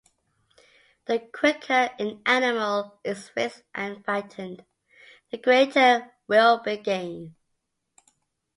The quicker an animal is raised and fattened, the greater will be the gain.